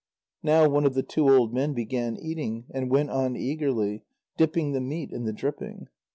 Now one of the two old men began eating, and went on eagerly, dipping the meat in the dripping.